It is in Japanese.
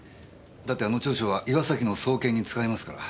だってあの調書は岩崎の送検に使いますから。